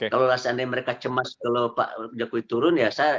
kalau seandainya mereka cemas kalau pak jokowi turun ya